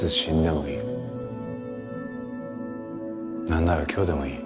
なんなら今日でもいい。